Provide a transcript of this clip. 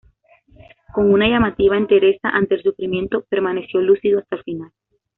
Con una llamativa entereza ante el sufrimiento, permaneció lúcido hasta el final.